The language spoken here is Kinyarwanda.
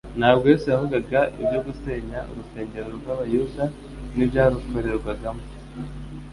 Ntabwo Yesu yavugaga ibyo gusenya urusengero rw'Abayuda n'ibyarukorerwagamo,